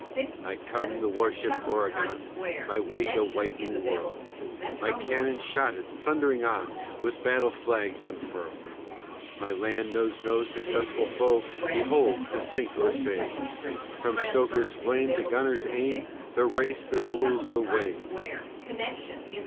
_I come, the warship Oregon, My wake a whitening world, My cannon shotted, thundering on With battle flags unfurled. My land knows no successful foe Behold, to sink or save, From stoker's flame to gunner's aim The race that rules the wave!